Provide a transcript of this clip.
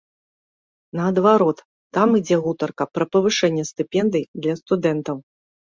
Наадварот, там ідзе гутарка пра павышэнне стыпендый для студэнтаў.